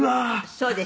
「そうですよ」